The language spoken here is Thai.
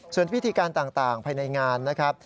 ส่วนพิธีการต่างภายในงานนะครับ